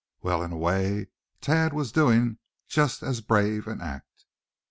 Well, in a way Thad was doing just as brave an act.